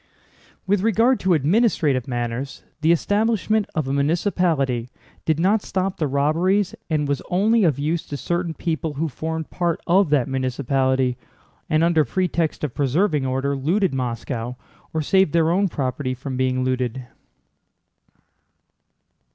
With regard to administrative matters, the establishment of a municipality did not stop the robberies and was only of use to certain people who formed part of that municipality and under pretext of preserving order looted Moscow or saved their own property from being looted.